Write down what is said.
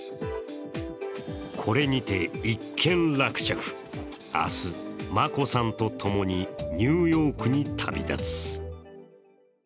これにて一件落着、明日、眞子さんと共にニューヨークに旅立つ。